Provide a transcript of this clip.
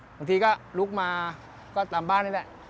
บางทีก็ลุกมาก็ตามบ้านนี่แหละ